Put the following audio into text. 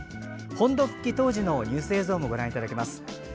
本土復帰当時のニュース映像もご覧いただけます。